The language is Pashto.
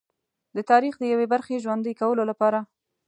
د تاریخ د یوې برخې ژوندي کولو لپاره.